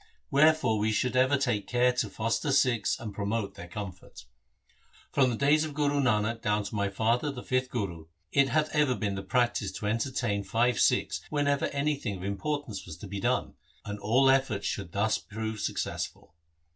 Wherefore we should ever take care to foster Sikhs, and promote their comfort. From the days of Guru Nanak down to my father the fifth Guru, it hath ever been the practice to entertain five Sikhs, whenever anything of importance was to be done, and all efforts should thus prove successful.